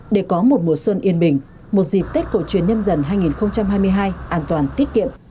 để có một mùa xuân yên bình một dịp tết cổ truyền nhân dần hai nghìn hai mươi hai an toàn tiết kiệm